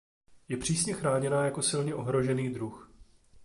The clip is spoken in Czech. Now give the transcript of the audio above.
Je přísně chráněna jako silně ohrožený druh.